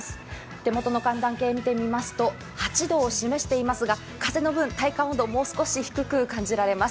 手元の寒暖計を見てみますと８度を示していますが風の分、体感温度がもう少し低く感じられます。